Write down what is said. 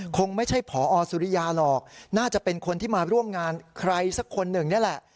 คงไม่ใช่ผอสุริยาหรอกน่าจะเป็นคนที่มาร่วมงานใครสักคนหนึ่งนี่แหละ